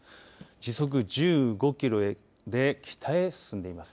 時速１５キロで北へ進んでいます。